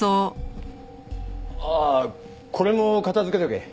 ああこれも片づけとけ。